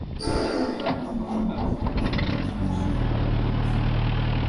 ili awe ameondoka na heshima kidogo asiwe amekimbia mbio